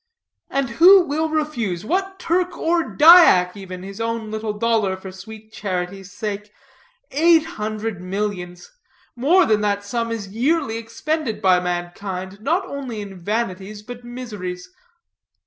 And who will refuse, what Turk or Dyak even, his own little dollar for sweet charity's sake? Eight hundred millions! More than that sum is yearly expended by mankind, not only in vanities, but miseries.